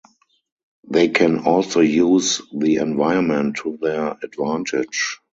They can also use the environment to their advantage.